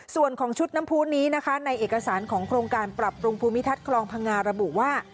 ส่วนของชุดน้ำพูนนี้นะคะในเอกสารของโครงการปรับปรุงภูมิทัศน์คลองพังงาระบุว่า